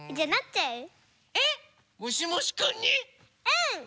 うん！